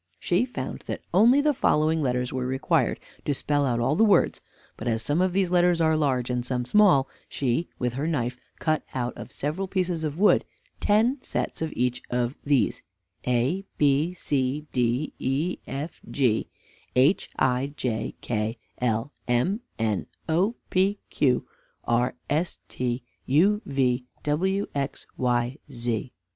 She found that only the following letters were required to spell all the words; but as some of these letters are large, and some small, she with her knife cut out of several pieces of wood ten sets of each of these: a b c d e f g h i j k l m n o p q r s t u v w x y z.